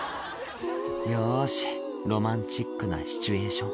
「よしロマンチックなシチュエーション」